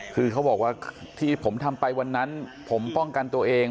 คือเขาบอกว่าที่ผมทำไปวันนั้นผมป้องกันตัวเอง